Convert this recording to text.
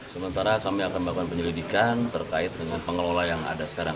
sementara kami akan melakukan penyelidikan terkait dengan pengelola yang ada sekarang